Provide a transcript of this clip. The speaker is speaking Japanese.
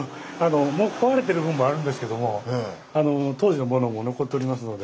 もう壊れてる部分もあるんですけども当時のものも残っておりますので。